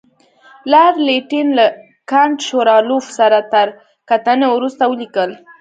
لارډ لیټن له کنټ شووالوف سره تر کتنې وروسته ولیکل.